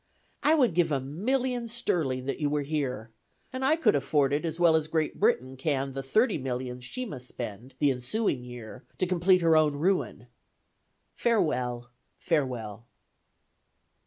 I would give a million sterling that you were here; and I could afford it as well as Great Britain can the thirty millions she must spend, the ensuing year, to complete her own ruin. Farewell, farewell."